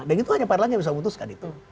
dan itu hanya pak erlangga yang bisa memutuskan itu